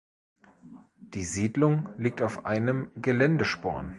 Die Siedlung liegt auf einem Geländesporn.